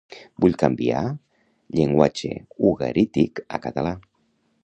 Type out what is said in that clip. Vull canviar llenguatge ugarític a català.